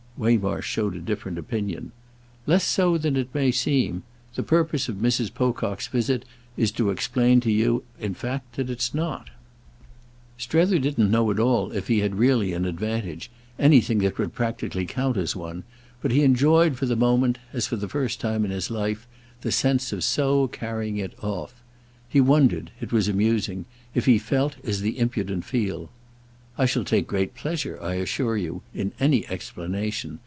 Waymarsh showed a different opinion. "Less so than it may seem. The purpose of Mrs. Pocock's visit is to explain to you in fact that it's not." Strether didn't at all know if he had really an advantage—anything that would practically count as one; but he enjoyed for the moment—as for the first time in his life—the sense of so carrying it off. He wondered—it was amusing—if he felt as the impudent feel. "I shall take great pleasure, I assure you, in any explanation.